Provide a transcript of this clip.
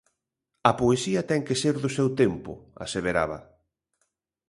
A poesía ten que ser do seu tempo, aseveraba.